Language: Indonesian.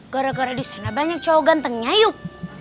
gara gara disana banyak cowok gantengnya yuk